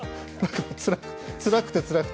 つらくて、つらくて。